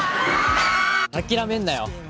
諦めんなよ